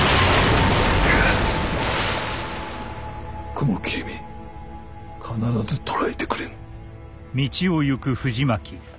雲霧め必ず捕らえてくれん。